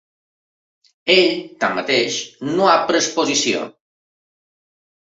Ell, tanmateix, no ha pres posició.